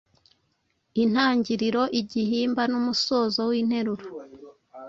intangiriro, igihimba n’umusozo winteruro